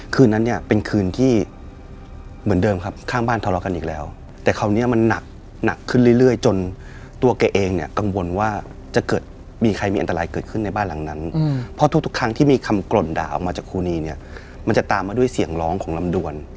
คืนนั้นเนี่ยเป็นคืนที่เหมือนเดิมครับข้างบ้านทะเลาะกันอีกแล้วแต่คราวนี้มันหนักขึ้นเรื่อยจนตัวแกเองเนี่ยกังวลว่าจะเกิดมีใครมีอันตรายเกิดขึ้นในบ้านหลังนั้นเพราะทุกครั้งที่มีคำกล่นด่าออกมาจากครูนีเนี่ยมันจะตามมาด้วยเสียงร้องของลำดวน